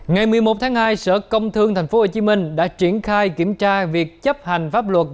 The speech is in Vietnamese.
ngày một mươi một tháng hai sở công thương tp hcm đã triển khai kiểm tra việc chấp hành pháp luật